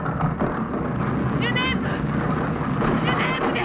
ジュネーブジュネーブで！